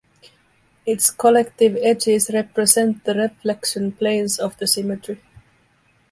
Its collective edges represent the reflection planes of the symmetry.